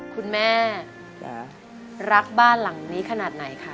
คุณแม่รักบ้านหลังนี้ขนาดไหนคะ